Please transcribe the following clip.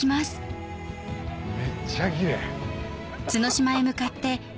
めっちゃキレイハハハ。